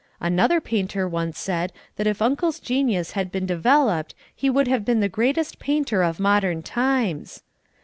Another painter once said that if Uncle's genius had been developed he would have been the greatest painter of modern times.